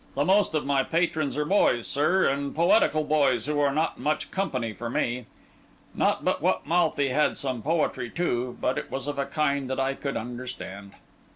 The most of my patrons are boys, sir, and poetical boys, who are not much company for me. Not but what Malthy had some poetry, too; but it was of a kind that I could understand."